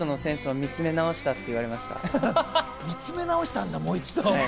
見つめ直したんだ、もう一度。